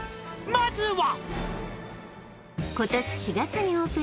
「まずは」